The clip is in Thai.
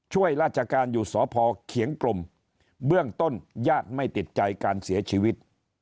ช่วยราชการอยู่สพเขียงกลมเบื้องต้นญาติไม่ติดใจการเสียชีวิต